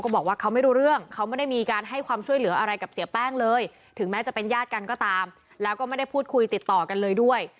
และเราก็ไม่ได้พูดคุยติดต่อกันเลยด้วย